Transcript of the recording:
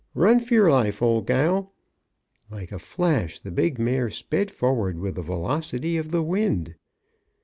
Run for your life, old girl!" Like a flash, the big mare sped forward with the velocity of the wind.